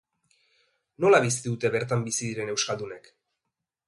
Nola bizi dute bertan bizi diren euskaldunek?